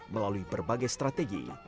melalui berbagai strategi